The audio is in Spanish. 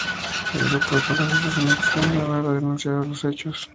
El grupo de Ecologistas en Acción de Navarra ha denunciado los hechos.